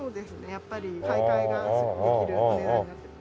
やっぱり買い替えがすぐできるお値段になってます。